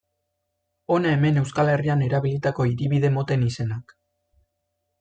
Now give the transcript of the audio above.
Hona hemen Euskal Herrian erabilitako hiribide moten izenak.